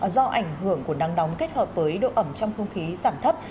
do ảnh hưởng của nắng nóng kết hợp với độ ẩm trong không khí giảm thấp